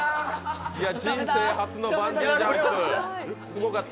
人生初のバンジージャンプ、すごかった。